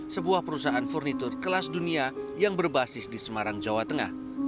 sebuah perusahaan furnitur kelas dunia yang berbasis di semarang jawa tengah